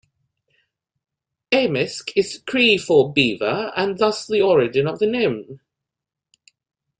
Amisk is Cree for Beaver and thus the origin of the name.